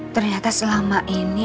ternyata selama ini